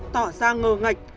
tỏ ra ngờ ngạch